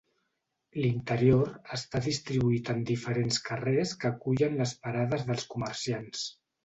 L'interior està distribuït en diferents carrers que acullen les parades dels comerciants.